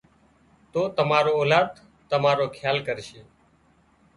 تو تماري اولاد تمارو کيال ڪرشي